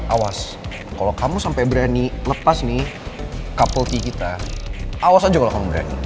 awas kalau kamu sampai berani lepas nih kapulty kita awas aja kalau kamu berani